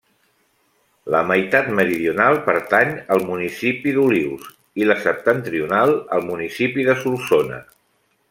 La meitat meridional pertany al municipi d'Olius i la septentrional, al municipi de Solsona.